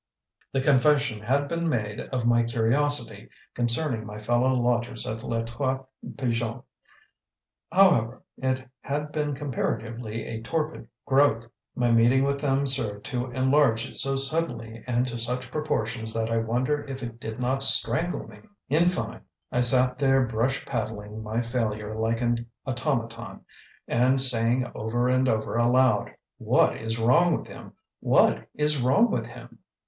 The confession has been made of my curiosity concerning my fellow lodgers at Les Trois Pigeons; however, it had been comparatively a torpid growth; my meeting with them served to enlarge it so suddenly and to such proportions that I wonder it did not strangle me. In fine, I sat there brush paddling my failure like an automaton, and saying over and over aloud, "What is wrong with him? What is wrong with him?"